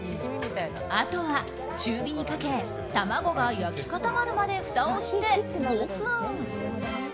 あとは中火にかけ卵が焼き固まるまでふたをして５分。